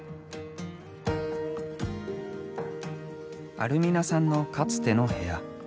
アルミナさんのかつての部屋。